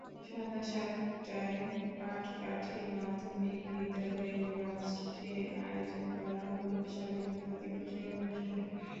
সন্ধ্যা সাতটায় পাটকাঠি মাধ্যমিক বিদ্যালয়ের মাঠে আয়োজন করা হলো স্বাধীনতা দিবসের অনুষ্ঠান।